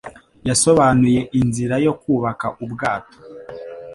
Yasobanuye inzira yo kubaka ubwato.